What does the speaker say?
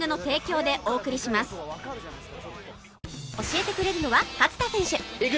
教えてくれるのは勝田選手